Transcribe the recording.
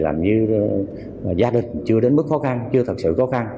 làm như gia đình chưa đến mức khó khăn chưa thật sự khó khăn